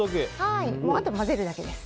あとは混ぜるだけです。